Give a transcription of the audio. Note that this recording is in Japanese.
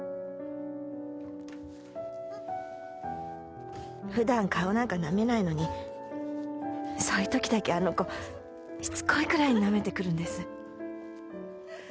あっふだん顔なんかなめないのにそういうときだけあの子しつこいくらいなめてくるんです。